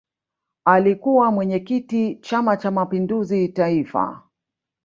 alikuwa mwenyekiti chama cha mapinduzi taifa